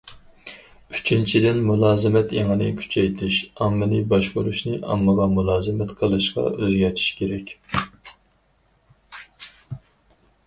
ئۈچىنچىدىن، مۇلازىمەت ئېڭىنى كۈچەيتىش، ئاممىنى باشقۇرۇشنى ئاممىغا مۇلازىمەت قىلىشقا ئۆزگەرتىش كېرەك.